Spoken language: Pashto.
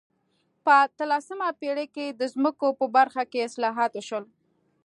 په اتلسمه پېړۍ کې د ځمکو په برخه کې اصلاحات وشول.